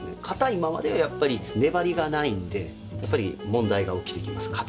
硬いままではやっぱり粘りがないんでやっぱり問題が起きてきます。